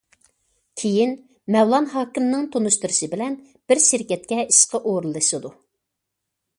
كېيىن مەۋلان ھاكىمنىڭ تونۇشتۇرۇشى بىلەن بىر شىركەتكە ئىشقا ئورۇنلىشىدۇ.